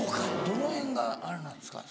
どのへんがあれなんですか。